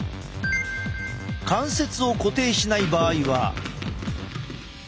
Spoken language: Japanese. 関節を固定しない場合は。